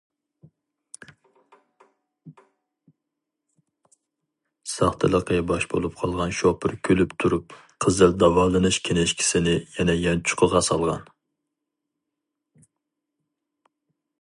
ساختىلىقى پاش بولۇپ قالغان شوپۇر كۈلۈپ تۇرۇپ قىزىل داۋالىنىش كىنىشكىسىنى يەنە يانچۇقىغا سالغان.